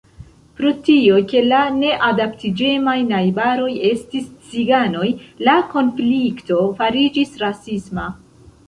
Pro tio, ke la neadaptiĝemaj najbaroj estis ciganoj, la konflikto fariĝis rasisma.